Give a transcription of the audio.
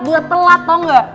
gue telat tau gak